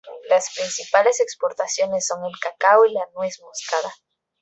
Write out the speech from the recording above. Las principales exportaciones son el cacao y la nuez moscada.